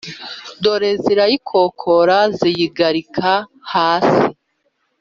dore zirayikokora ziyiragarika hasi,